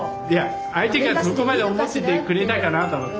相手がそこまで思っててくれたかなと思って。